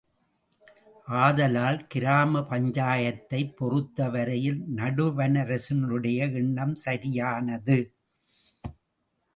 ஆதலால், கிராம பஞ்சாயத்தைப் பொறுத்தவரையில் நடுவணரசினுடைய எண்ணம் சரியானது.